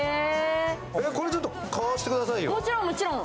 これ、ちょっと買わしてくださいよ